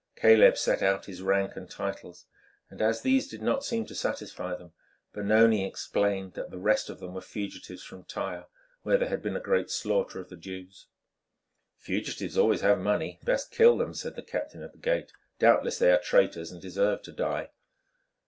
Caleb set out his rank and titles, and as these did not seem to satisfy them Benoni explained that the rest of them were fugitives from Tyre, where there had been a great slaughter of the Jews. "Fugitives always have money; best kill them," said the captain of the gate. "Doubtless they are traitors and deserve to die."